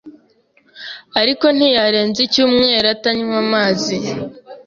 ariko ntiyarenza icyumweru atanywa amazi